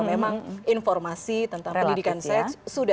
memang informasi tentang pendidikan seks